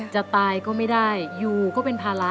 จะตายก็ไม่ได้อยู่ก็เป็นภาระ